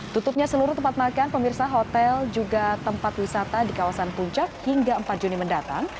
tutupnya seluruh tempat makan pemirsa hotel juga tempat wisata di kawasan puncak hingga empat juni mendatang